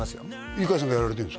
ユカイさんがやられてるんですか？